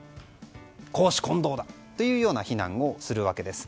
公私混同だ！というような非難をするわけです。